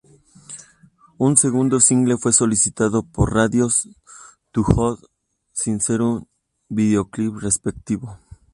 Un segundo single fue solicitado por radios, ""Too Hood"", sin tener un videoclip respectivo.